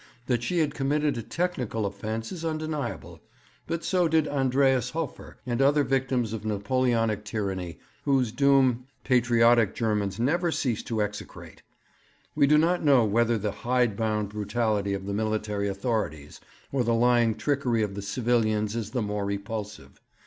That she had committed a technical offence is undeniable; but so did Andreas Hofer and other victims of Napoleonic tyranny whose doom patriotic Germans never cease to execrate. We do not know whether the hide bound brutality of the military authorities or the lying trickery of the civilians is the more repulsive.